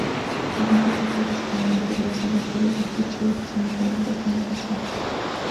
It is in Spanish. Variantes de ajedrez, como el ajedrez aleatorio de Fischer, utilizan únicamente esta notación.